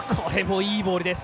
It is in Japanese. いいボールでした。